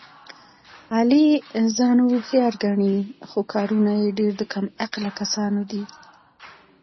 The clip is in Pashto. علي ځان هوښیار ګڼي، خو کارونه یې ډېر د کم عقله کسانو دي.